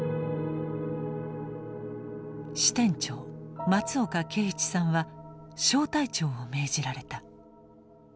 支店長松岡啓一さんは小隊長を命じられた。